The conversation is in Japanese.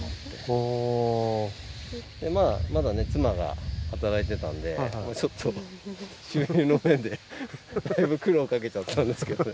まだね妻が働いてたんでちょっと収入の面でだいぶ苦労かけちゃったんですけどね。